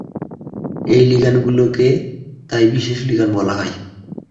এই লিগ্যান্ডগুলোকে তাই বিশেষ লিগ্যান্ড বলা হয়।